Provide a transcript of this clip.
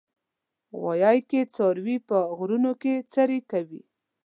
غویی کې څاروي په غرونو کې څرې کوي.